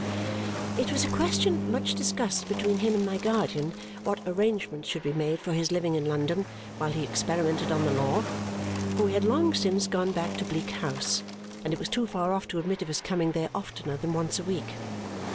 It was a question much discussed between him and my guardian what arrangements should be made for his living in London while he experimented on the law, for we had long since gone back to Bleak House, and it was too far off to admit of his coming there oftener than once a week.